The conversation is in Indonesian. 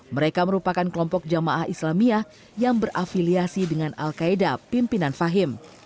mereka merupakan kelompok jamaah islamiyah yang berafiliasi dengan al qaeda pimpinan fahim